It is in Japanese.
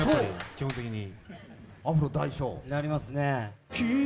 基本的に。